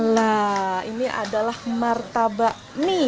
nah ini adalah martabak mie